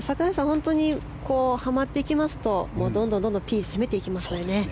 本当にはまっていきますとどんどんピン攻めていきますから。